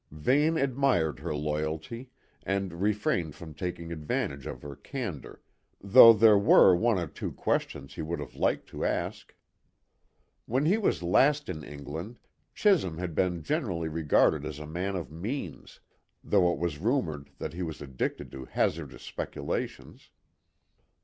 Vane admired her loyalty, and refrained from taking advantage of her candour, though there were one or two questions he would have liked to ask. When he was last in England, Chisholm had been generally regarded as a man of means, though it was rumoured that he was addicted to hazardous speculations.